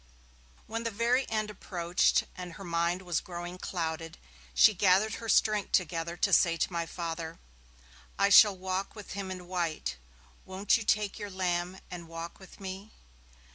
When the very end approached, and her mind was growing clouded, she gathered her strength together to say to my Father, 'I shall walk with Him in white. Won't you take your lamb and walk with me?'